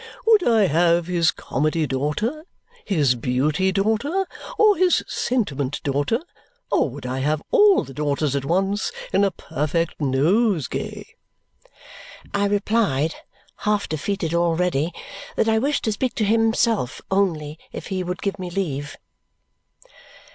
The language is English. Would I have his Comedy daughter, his Beauty daughter, or his Sentiment daughter? Or would I have all the daughters at once in a perfect nosegay? I replied, half defeated already, that I wished to speak to himself only if he would give me leave.